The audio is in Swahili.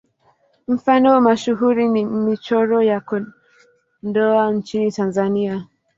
Mfano mashuhuri ni Michoro ya Kondoa nchini Tanzania.